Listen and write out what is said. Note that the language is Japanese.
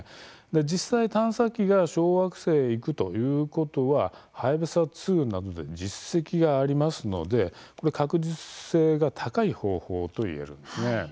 実際、探査機が小惑星へ行くということははやぶさ２などで実績がありますので確実性が高い方法といえるんです。